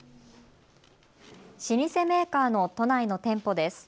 老舗メーカーの都内の店舗です。